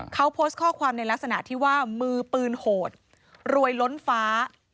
เขาโพสต์ข้อความในลักษณะที่ว่ามือปืนโหดรวยล้นฟ้า